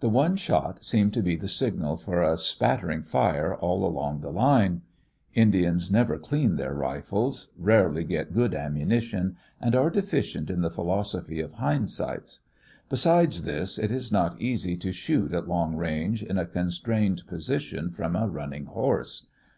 The one shot seemed to be the signal for a spattering fire all along the line. Indians never clean their rifles, rarely get good ammunition, and are deficient in the philosophy of hind sights. Besides this, it is not easy to shoot at long range in a constrained position from a running horse.